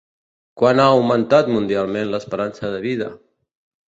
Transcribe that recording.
Quant ha augmentat mundialment l'esperança de vida?